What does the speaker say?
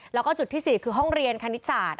แล้วก็จุดที่๔คือห้องเรียนคณิตศาสต